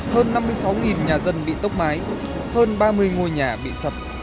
hơn năm mươi sáu nhà dân bị tốc mái hơn ba mươi ngôi nhà bị sập